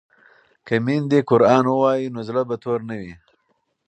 که میندې قران ووايي نو زړه به تور نه وي.